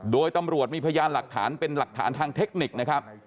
โดยตำรวจมีพยานหลักฐานเป็นหลักฐานทางเทคนิคนะครับ